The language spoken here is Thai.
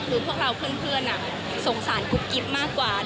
คือพวกเราเพื่อนสงสารกุ๊กกิ๊บมากกว่า